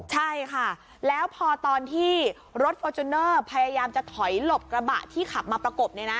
ใช่ค่ะแล้วพอตอนที่รถฟอร์จูเนอร์พยายามจะถอยหลบกระบะที่ขับมาประกบ